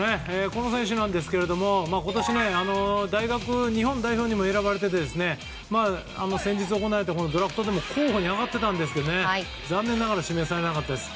この選手ですが今年、大学日本代表にも選ばれて先日、行われたドラフトでも候補に挙がっていたんですが残念ながら指名されなかったです。